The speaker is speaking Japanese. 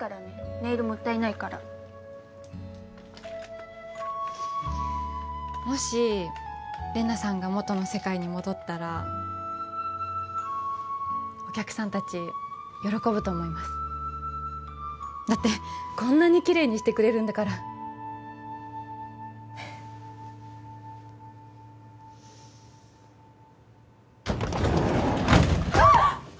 ネイルもったいないからもし玲奈さんが元の世界に戻ったらお客さん達喜ぶと思いますだってこんなにきれいにしてくれるんだからキャッ！